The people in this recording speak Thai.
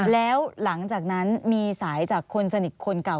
แล้วหลังจากนั้นมีสายจากคนสนิทคนเก่า